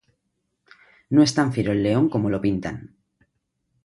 No es tan fiero el león como lo pintan